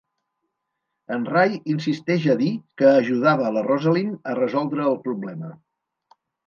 En Ray insisteix a dir que ajudava la Rosalyn a resoldre el problema.